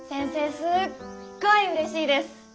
すっごいうれしいです。